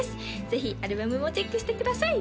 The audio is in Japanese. ぜひアルバムもチェックしてください